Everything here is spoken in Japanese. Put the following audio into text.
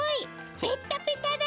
ペッタペタだね！